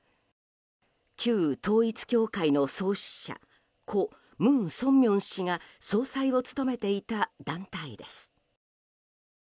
旧統一教会の創始者故・文鮮明氏が総裁を務めていた団体です。